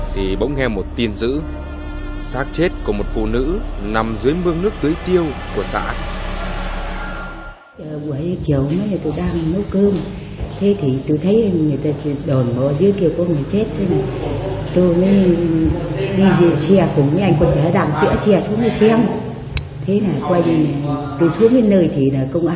thì bỗng nghe một tin dữ sát chết của một phụ nữ nằm dưới mương nước tưới tiêu của xã